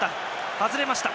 外れました。